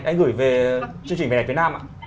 anh gửi về chương trình vnvn